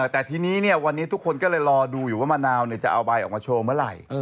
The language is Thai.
แต่ทีนี้วันนี้ทุกคนก็เลยรอดูอยู่ว่ามะนาวจะเอาใบออกมาโชว์เมื่อไหร่